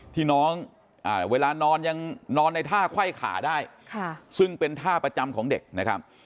ที่น้องเวลานอนยังนอนในท่าไขว้ขาได้ซึ่งเป็นท่าประจำของเด็กนะครับ